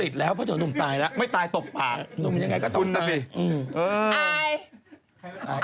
ตายแล้วไม่ตายตบปากตบอย่างไรก็ตบปากคุณนักฟิ